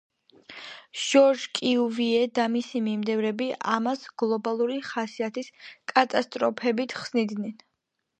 ჟორჟ კიუვიე და მისი მიმდევრები ამას გლობალური ხასიათის კატასტროფებით ხსნიდნენ.